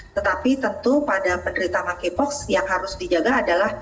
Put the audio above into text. tetapi tentu pada penderita monkeypox yang harus dijaga adalah